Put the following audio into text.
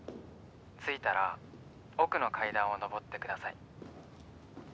着いたら奥の階段を上ってください。